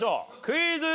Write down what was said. クイズ。